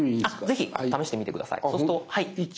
ぜひ試してみて下さい。